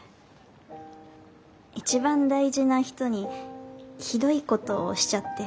一番大事な人にひどいことしちゃって。